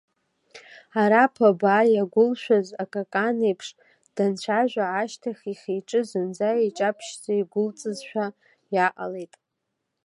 Араԥа баа иагәылшәаз акакан еиԥш, данцәажәа ашьҭахь ихы-иҿы зынӡа иҷаԥшьӡа игәылҵызшәа иааҟалеит.